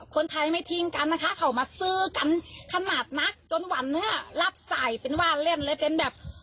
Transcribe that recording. คนไทยไม่ทิ้งกันนะคะเขามาซื้อกันขนาดนักจนวันนี้รับใส่เป็นว่าเล่นเลยเป็นแบบ